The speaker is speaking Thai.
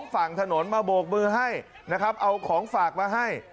ฝั่งถนนมาโบกมือให้นะครับเอาของฝากมาให้